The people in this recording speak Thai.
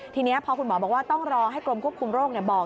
ทีนี้พอคุณหมอบอกว่าต้องรอให้กรมควบคุมโรคบอก